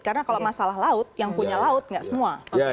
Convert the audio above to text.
karena kalau masalah laut yang punya laut nggak semua